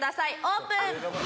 オープン。